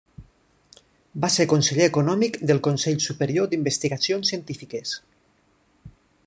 Va ser conseller econòmic del Consell Superior d'Investigacions Científiques.